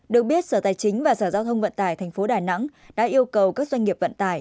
được biết sở tài chính và sở giao thông vận tải tp đà nẵng đã yêu cầu các doanh nghiệp vận tải